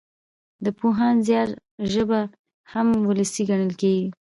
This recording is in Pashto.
د پوهاند زيار ژبه هم وولسي ګڼل کېږي.